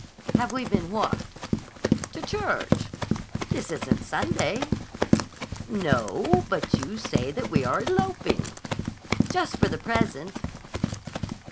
"Have we been what?" "To church." "This isn't Sunday." "No; but you say that we are eloping." "Just for the present."